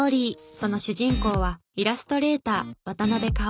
その主人公はイラストレーター渡邉香織。